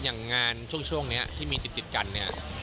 อย่างงานช่วงนี้ที่มีติดกันเนี่ย